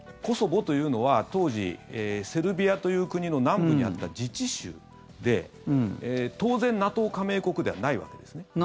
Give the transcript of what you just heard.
コソボというのは当時、セルビアという国の南部にあった自治州で当然、ＮＡＴＯ加盟国ではないわけですね。